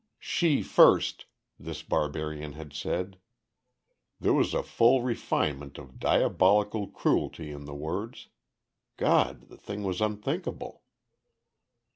"She first," this barbarian had said. There was a full refinement of diabolical cruelty in the words. God! the thing was unthinkable!